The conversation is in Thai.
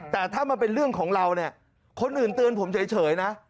แต่ถ้ามันเป็นเรื่องของเราเนี่ยคนอื่นเตือนผมเฉยนะ